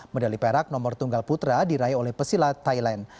medali perak nomor tunggal putra diraih oleh pesilat thailand